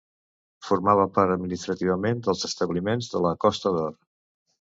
Formava part administrativament dels establiments de la Costa d'Or.